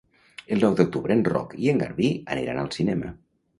El nou d'octubre en Roc i en Garbí aniran al cinema.